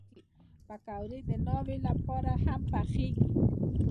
پکورې د ناوې لپاره هم پخېږي